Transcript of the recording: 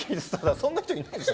そんな人いないでしょ。